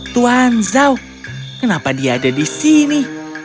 tuan zhao kenapa dia ada di sini